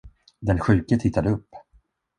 Den sjuke tittade upp.